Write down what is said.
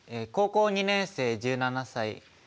高校２年生１７歳。